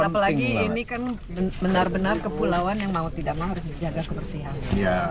apalagi ini kan benar benar kepulauan yang mau tidak mau harus dijaga kebersihan